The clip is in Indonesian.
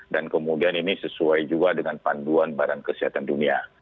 dan kemudian ini sesuai juga dengan panduan badan kesehatan dunia